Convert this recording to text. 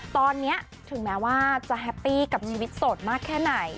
ตอนนี้ถึงแม้ว่าจะแฮปปี้กับชีวิตโสดมากแค่ไหน